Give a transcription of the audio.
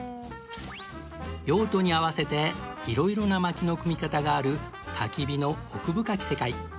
用途に合わせて色々な薪の組み方がある焚き火の奥深き世界